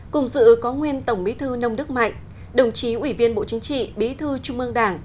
cùng dự có nguyên tổng bí thư nông đức mạnh đồng chí ủy viên bộ chính trị bí thư trung ương đảng